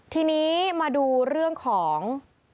ทีนี้มาดูเรื่องของ